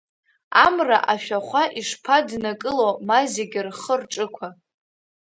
Амра ашәахәа ишԥаднакыло, ма зегь рхы-рҿықәа.